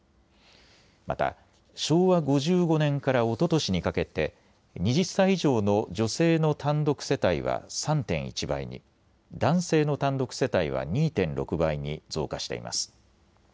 また昭和５５年からおととしにかけて２０歳以上の女性の単独世帯は３．１倍に、男性の単独世帯は２．６倍に増加しています。